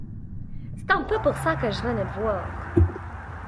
C’est un peu pour ça que je venais te voir.